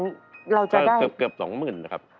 เราจะได้เกือบ๒๐๐๐๐นะครับ